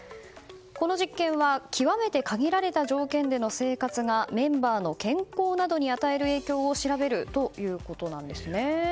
この実験は極めて限られた条件での生活がメンバーの健康などに与える影響を調べるということです。